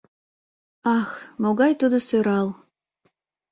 - Ах, могай тудо сӧрал!